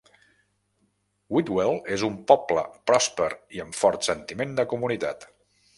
Whitwell és un poble pròsper i amb fort sentiment de comunitat.